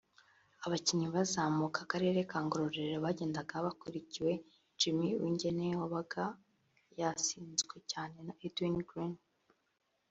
Abakinnyi bazamuka akarere ka Ngororero bagendaga bakurikiwe Jimmy Uwingeneye wabaga yasizwe cyane na Edwin Greene